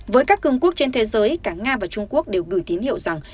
với các cường quốc trên thế giới cả nga và trung quốc đều gửi tín hiệu rằng